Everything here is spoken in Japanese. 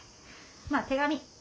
まあ手紙。